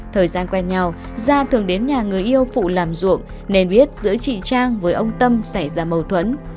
thời gian quen nhau gia thường đến nhà người yêu phụ làm ruộng nên biết giữa chị trang với ông tâm xảy ra mâu thuẫn